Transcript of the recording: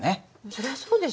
そりゃそうでしょ。